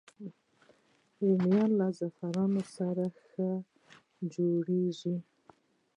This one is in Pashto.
رومیان له زعفرانو سره ښه جوړېږي